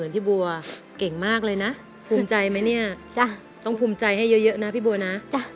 พี่บัวเก่งมากเลยนะภูมิใจไหมเนี่ยจ้ะต้องภูมิใจให้เยอะนะพี่บัวนะจ๊ะ